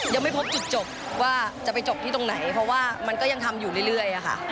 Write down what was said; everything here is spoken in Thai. ยังไม่พบจุดจบว่าจะไปจบที่ตรงไหนเพราะว่ามันก็ยังทำอยู่เรื่อยค่ะ